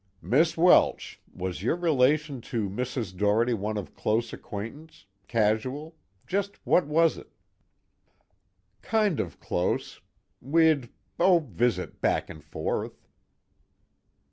"Miss Welsh, was your relation to Mrs. Doherty one of close acquaintance? Casual? Just what was it?" "Kind of close. We'd oh, visit back and forth."